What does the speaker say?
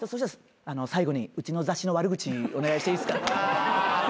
「最後にうちの雑誌の悪口お願いしていいですか」